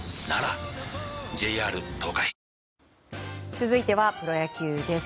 続いてはプロ野球です。